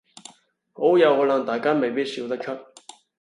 好有可能大家未必笑得出